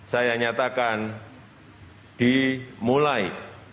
saya nyatakan dimulai